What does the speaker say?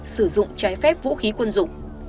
sử dụng trái phép vũ khí quân dụng